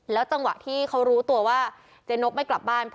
จังหวะที่เขารู้ตัวว่าเจ๊นกไม่กลับบ้าน